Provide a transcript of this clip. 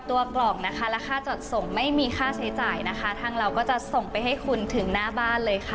ทางเราก็จะส่งไปให้คุณถึงหน้าบ้านเลยค่ะ